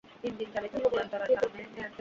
পূর্ণ বয়স্কে পৌঁছেননি।